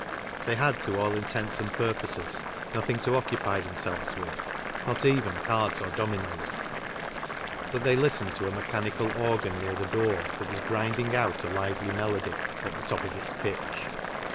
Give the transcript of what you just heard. They had to all intents and purposes nothing to occupy themselves with, not even cards or dominoes, but they listened to a me chanical organ near the door that was grinding out a lively melody at the top of its pitch.